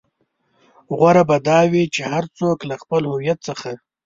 غوره به دا وي چې هر څوک له خپل هويت څخه.